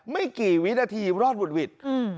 ไม่กี่วินาทีรอดบุดหวิด